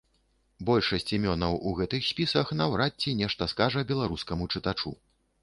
Большасць імёнаў у гэтых спісах наўрад ці нешта скажа беларускаму чытачу.